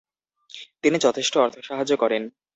তিনি যথেষ্ট অর্থসাহায্য করেন।